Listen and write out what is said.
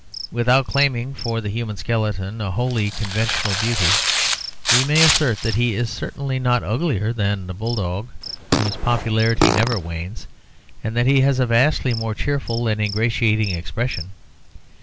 Without claiming for the human skeleton a wholly conventional beauty, we may assert that he is certainly not uglier than a bull dog, whose popularity never wanes, and that he has a vastly more cheerful and ingratiating expression.